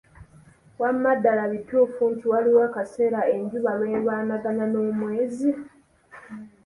Wamma ddala bituufu nti waliwo akaseera enjuba lwelwanagana n'omwezi?